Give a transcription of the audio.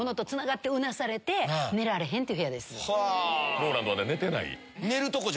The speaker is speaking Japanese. ＲＯＬＡＮＤは寝てない。